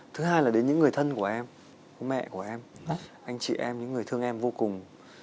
thứ hai là đến những người thân của em bố mẹ của em anh chị em những người thương em vô cùng